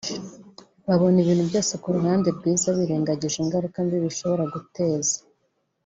babona ibintu byose ku ruhande rwiza birengagije ingaruka mbi bishobora guteza